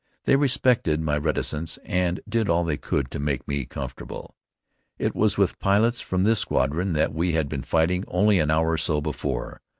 They respected my reticence, and did all they could to make me comfortable. It was with pilots from this squadron that we had been fighting only an hour or so before.